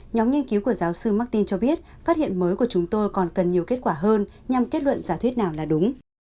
nhóm nghiên cứu của giáo sư martin cho biết phát hiện mới của chúng tôi còn cần nhiều kết quả hơn nhằm kết luận giả thuyết nào là đúng